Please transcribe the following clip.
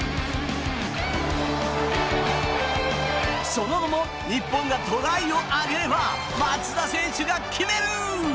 その後も日本がトライを挙げれば松田選手が決める！